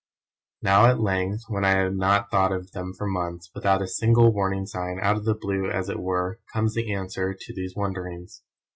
Now at length, when I had not thought of them for months, without a single warning sign, out of the blue as it were, comes the answer to these wonderings!